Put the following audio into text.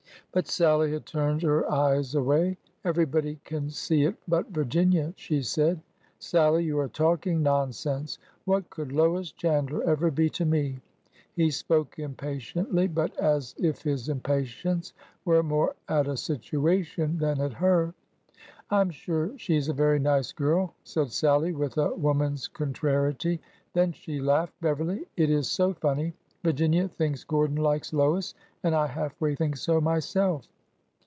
But Sallie had turned her eyes away. '' Everybody can see it but Virginia," she said. " Sallie, you are talking nonsense ! What could Lois Chandler ever be to me ?" He spoke impatiently, but as if his impatience were more at a situation than at her. '' I 'm sure she 's a very nice girl," said Sallie, with a woman's contrariety. Then she laughed. " Beverly, it is so funny ! Virginia thinks Gordon likes Lois. And I half way think so myself."